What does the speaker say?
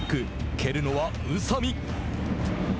蹴るのは宇佐美。